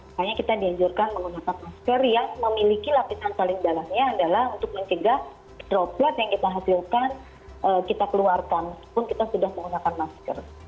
makanya kita dianjurkan menggunakan masker yang memiliki lapisan paling dalamnya adalah untuk mencegah droplet yang kita hasilkan kita keluarkan meskipun kita sudah menggunakan masker